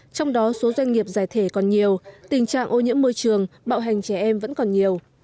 trong đó số doanh nghiệp giải thể còn nhiều tình trạng ô nhiễm môi trường bạo hành trẻ em vẫn còn nhiều